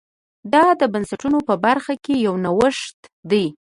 دا د بنسټونو په برخه کې یو نوښت دی